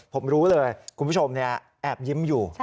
ผมรู้เลยคุณผู้ชมแอบยิ้มอยู่